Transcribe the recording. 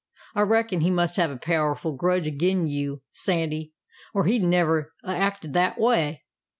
I reckon he must have a powerful grudge agin you, Sandy, or he'd never 'a' acted that way."